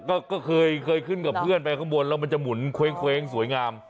ก็เคยขึ้นกับเพื่อนไปข้างบนแล้วมันจะหมุนเว้งสวยงาม